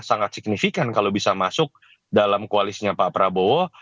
sangat signifikan kalau bisa masuk dalam koalisinya pak prabowo